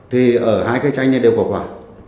thì ở hai cái tranh này đều có quả